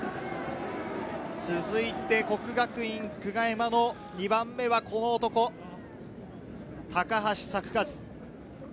続いて國學院久我山の２番目はこの男、高橋作和。